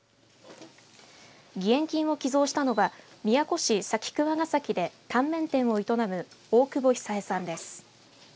義援金を寄贈したのは宮古市崎鍬ヶ崎市でタンメン店を営む大久保久枝さんです。